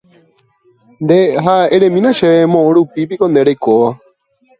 Nde, ha eremína chéve moõrupípiko nde reikóva